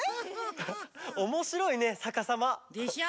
おもしろいねさかさま！でしょ？